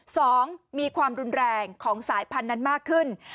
สองมีความรุนแรงของสายพันธุ์นั้นมากขึ้น